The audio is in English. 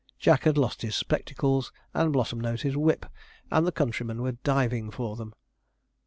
Jack had lost his spectacles, and Blossomnose his whip, and the countrymen were diving for them.